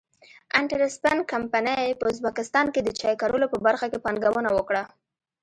انټرسپن کمپنۍ په ازبکستان کې د چای کرلو په برخه کې پانګونه وکړه.